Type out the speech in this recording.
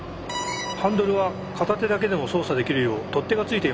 ハンドルは片手だけでも操作できるよう取っ手が付いています。